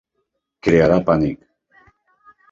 Crearà pànic.